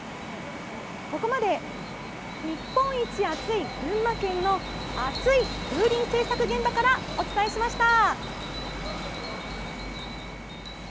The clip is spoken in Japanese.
ここまで、日本一暑い群馬県のあつい風鈴製作現場からお伝えしました。